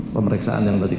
pemeriksaan yang tadi kpk